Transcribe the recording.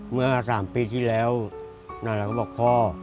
เมื่อ๓ปีที่แล้วนานเราก็บอกพ่อ